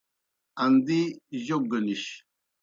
اندی جوک گہ نِش۔